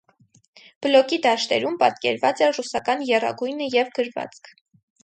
Բլոկի դաշտերում պատկերված էր ռուսական եռագույնը և գրվածք։